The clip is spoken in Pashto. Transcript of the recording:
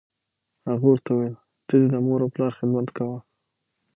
هغه ورته وویل: ته دې د مور و پلار خدمت کوه.